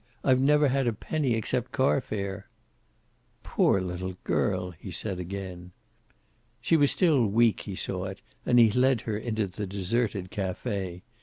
I've never had a penny except carfare." "Poor little girl!" he said again. She was still weak, he saw, and he led her into the deserted cafe.